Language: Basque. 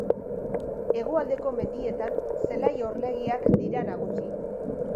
Hegoaldeko mendietan zelai orlegiak dira nagusi.